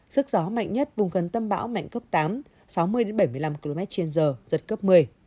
sức gió mạnh nhất vùng gần tâm bão mạnh cấp tám sáu mươi bảy mươi năm km trên giờ giật cấp một mươi